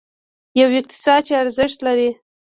یو اقتصاد چې ارزښت لري.